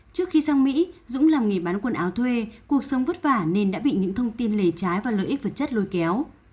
trước khi sang mỹ dũng làm nghề bán quần áo thuê cuộc sống vất vả nên đã bị những thông tin lề trái và lợi ích vật chất lôi kéo